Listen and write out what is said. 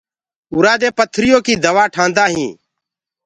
اورآ دي پٿريو ڪي دوآ ٺآندآ هينٚ۔